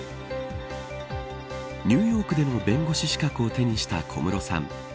ニューヨークでの弁護士資格を手にした小室さん。